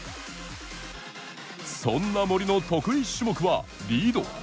そんな森の得意種目は、リード。